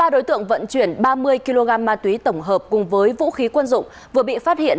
ba đối tượng vận chuyển ba mươi kg ma túy tổng hợp cùng với vũ khí quân dụng vừa bị phát hiện